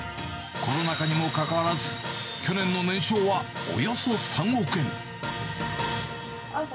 コロナ禍にもかかわらず、去年の年商はおよそ３億円。